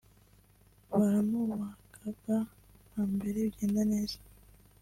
baramubaga bwa mbere bigenda neza